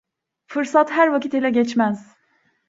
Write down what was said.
Fırsat her vakit ele geçmez.